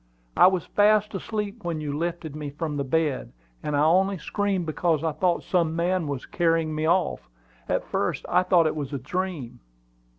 "I was fast asleep when you lifted me from the bed, and I only screamed because I thought some man was carrying me off. At first, I thought it was a dream."